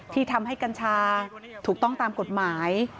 ที่ทำให้กัญชาถูกต้องตามกฎหมาย